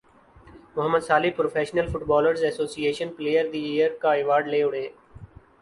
Muhammad Salah professional footballers association player the year کا award لے اڑے